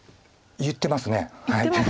言ってます。